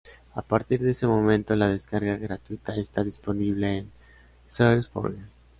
A partir de ese momento, la descarga gratuita está disponible en SourceForge.